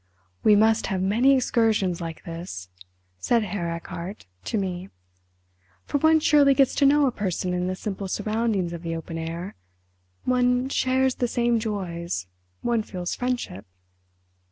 "We must have many excursions like this," said Herr Erchardt to me, "for one surely gets to know a person in the simple surroundings of the open air—one shares the same joys—one feels friendship.